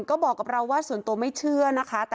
ก็เลยคิดว่าส่วนตัวไม่เชื่อ